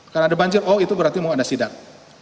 karena ada banjir oh itu berarti mau ada sidat